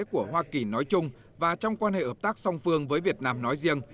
của hoa kỳ nói chung và trong quan hệ hợp tác song phương với việt nam nói riêng